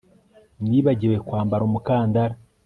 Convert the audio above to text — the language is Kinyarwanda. Nibagiwe kwambara umukandara